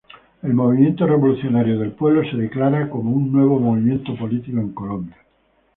El Movimiento Revolucionario del Pueblo se declara como un nuevo movimiento político en Colombia.